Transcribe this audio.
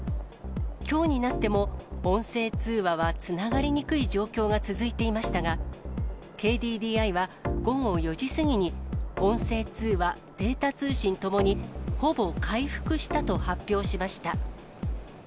きょうになっても、音声通話はつながりにくい状況が続いていましたが、ＫＤＤＩは午後４時過ぎに、音声通話、データ通信ともにほぼ回復したと発表しました。